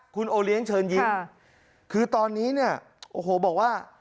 คุณโอเลี้ยงเชิญยิ้มคือตอนนี้เนี่ยโอ้โหบอกว่า